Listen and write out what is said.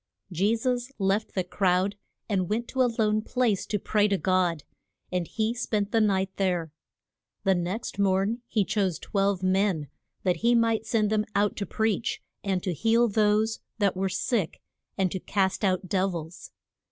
JE SUS left the crowd, and went to a lone place to pray to God. And he spent the night there. The next morn he chose twelve men, that he might send them out to preach, and to heal those that were sick, and to cast out dev ils.